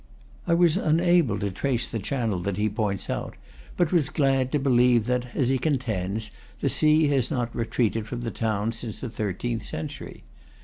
I was unable to trace the channel that he points out, but was glad to believe that, as he contends, the sea has not retreated from the town since the thirteenth century.